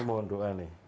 tentu kami mohon doa nih